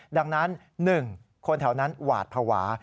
ดังนั้นหนึ่งคนแถวนั้นหวาดผวา